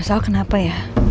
masalah kenapa ya